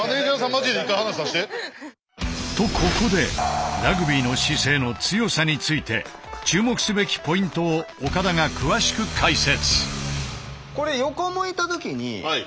マジで一回話させて。とここでラグビーの姿勢の強さについて注目すべきポイントを岡田が詳しく解説。